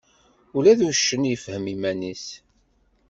Ula d uccen ifhem iman-is.